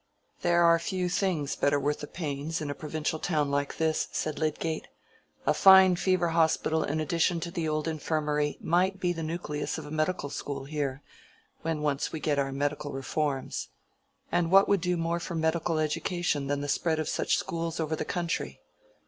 "There are few things better worth the pains in a provincial town like this," said Lydgate. "A fine fever hospital in addition to the old infirmary might be the nucleus of a medical school here, when once we get our medical reforms; and what would do more for medical education than the spread of such schools over the country?